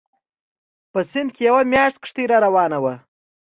په سیند کې یوه ماشیني کښتۍ راروانه وه.